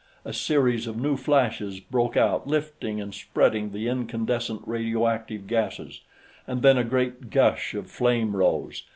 A series of new flashes broke out, lifting and spreading the incandescent radioactive gasses, and then a great gush of flame rose.